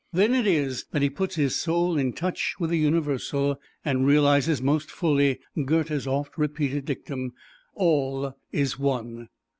Then it is that he puts his soul in touch with the Universal and realizes most fully Goethe's oft repeated dictum, "All is one."